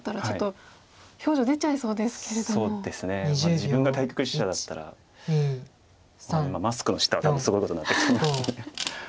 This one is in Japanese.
自分が対局者だったらマスクの下は多分すごいことになってると思います。